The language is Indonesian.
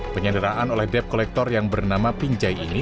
penyadaraan oleh debt collector yang bernama pinjay ini